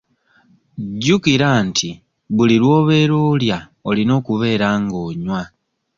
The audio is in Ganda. Jjukira nti buli lw'obeera olya olina okubeera nga onywa.